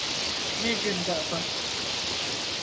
Ne gündü ama!